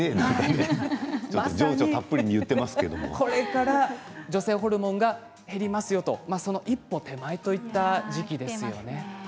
情緒たっぷりにこれから女性ホルモンが減りますよという一歩手前の時期です。